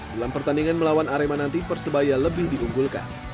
dalam pertandingan melawan arema nanti persebaya lebih diunggulkan